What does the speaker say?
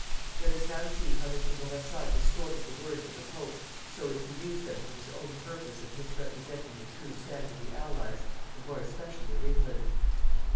Let us now see how Mr. Bourassa distorted the words of the Pope so as to use them for his own purpose of misrepresenting the true stand of the Allies, and more especially of England.